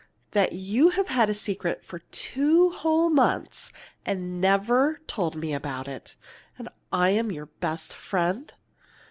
"That you've had a secret two whole months and never told me about it yet? And I'm your best friend!"